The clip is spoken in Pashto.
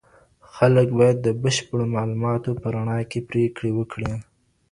خلګ باید د بشپړو معلوماتو په رڼا کي پریکړې وکړي.